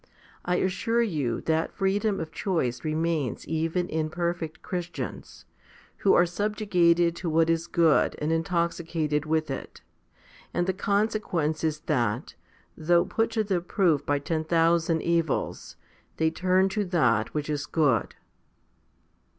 I assure you that freedom of choice remains even in perfect Christians, who are subjugated to what is good and intoxicated with it, and the consequence is that, though put to the proof by ten thousand evils, they turn to that which is good.